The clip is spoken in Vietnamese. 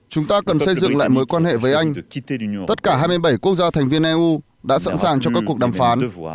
chúng ta cần xây dựng lại mối quan hệ với anh tất cả hai mươi bảy quốc gia thành viên eu đã sẵn sàng cho các cuộc đàm phán